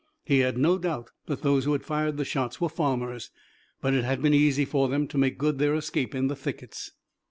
He had no doubt that those who had fired the shots were farmers, but it had been easy for them to make good their escape in the thickets.